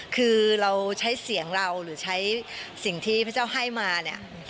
คือเราใช้เสียงเราหรือใช้สิ่งที่พระเจ้าให้มาเนี่ย